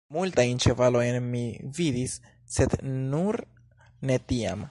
Multajn ĉevalojn mi vidis, sed nur ne tian!